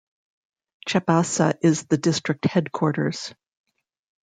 Chaibasa is the district headquarters.